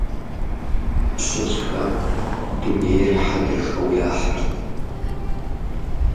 ПщылӀхэм дунейр хьэдрыхэу яхьырт.